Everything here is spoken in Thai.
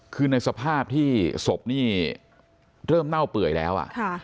คือในสภาพที่ศพนี่เริ่มเน่าเปื่อยแล้ว